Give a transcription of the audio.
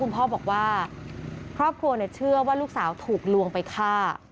พ่อบอกว่าครอบครัวเชื่อว่าลูกสาวถูกลวงไปฆ่า